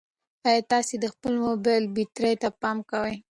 ایا تاسي د خپل موبایل بیټرۍ ته پام کوئ؟